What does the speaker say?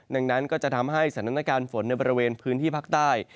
ดังนั้นก็จะทำให้สถานการณ์ฝนในบริเวณพื้นที่ภาคใต้